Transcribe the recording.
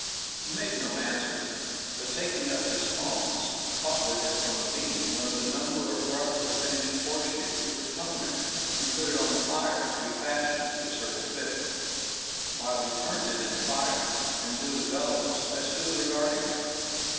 He made no answer, but taking up his tongs caught with it from a beam one of a number of roughly finished horse shoes which hung there, and put it on the fire to be fashioned to a certain fit. While he turned it in the fire, and blew the bellows, I stood regarding him.